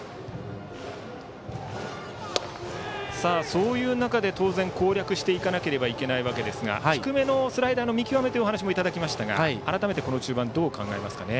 そういう中で当然攻略していかなければなりませんが低めのスライダーの見極めというお話もいただきましたが改めてこの中盤、どう考えますか。